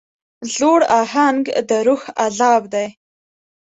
زوړ اهنګ د روح عذاب دی.